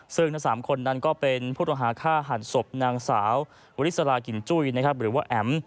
ซึ่งทั้ง๓คนนั้นก็เป็นผู้ต้องหาฆ่าหันศพนางสาววริสลากินจุ้ยหรือว่าแอ๋ม